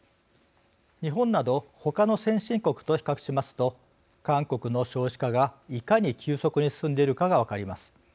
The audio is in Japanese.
日本など他の先進国と比較しますと韓国の少子化が、いかに急速に進んでいるかが分かります。